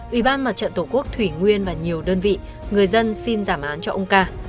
ủy ban mặt trận tổ quốc thủy nguyên và nhiều đơn vị người dân xin giảm án cho ông ca